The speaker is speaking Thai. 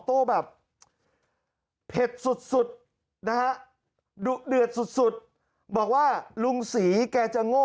โต้แบบเผ็ดสุดสุดนะฮะดุเดือดสุดสุดบอกว่าลุงศรีแกจะโง่